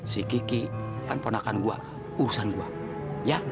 si kiki kan ponakan gua urusan gua ya